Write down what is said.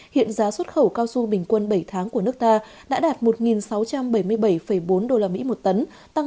hiện giá xuất khẩu cao su bình quân bảy tháng của nước ta đã đạt một sáu trăm bảy mươi bảy bốn usd một tấn